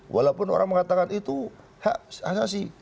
walaupun orang mengatakan itu hak asasi